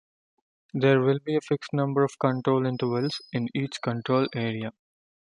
There will be a fixed number of control intervals in each control area.